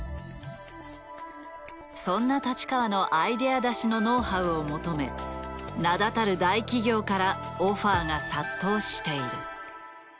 そんな太刀川のアイデア出しのノウハウを求め名だたる大企業からオファーが殺到している。